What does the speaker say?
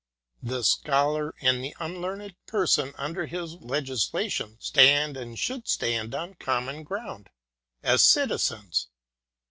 The Scholar and the unlearned person, under this le gislation, stand and should stand on common ground, as Citizens.